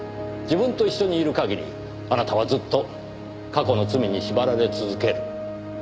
自分と一緒にいる限りあなたはずっと過去の罪に縛られ続ける。